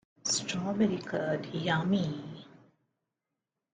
Strawberry curd, yummy!